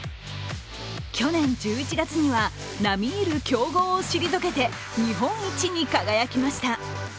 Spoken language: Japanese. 去年１１月には、並み居る強豪を退けて日本一に輝きました。